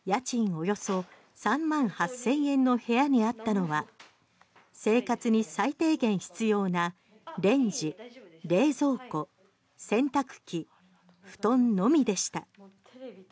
およそ３万８０００円の部屋にあったのは生活に最低限必要なレンジ冷蔵庫、洗濯機布団のみでした。